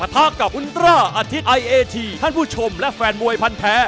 ท่านผู้ชมและแฟนมวยพันธุ์แพ้